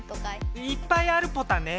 いっぱいあるポタね。